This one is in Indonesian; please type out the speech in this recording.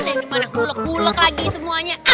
nah gimana uleg uleg lagi semuanya